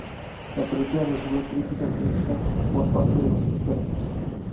La película recibió críticas mixtas por parte de los expertos.